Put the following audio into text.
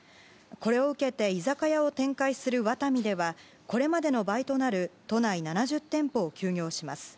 これを受けて居酒屋を展開するワタミではこれまでの倍となる都内７０店舗を休業します。